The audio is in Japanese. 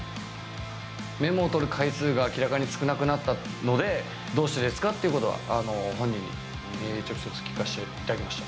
メモを取る回数が明らかに少なくなったので、どうしてですか？ということは、本人に直接聞かせていただきました。